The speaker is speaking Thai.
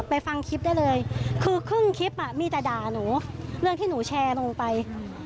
ฟังคลิปได้เลยคือครึ่งคลิปมีแต่ด่าหนูเรื่องที่หนูแชร์ลงไป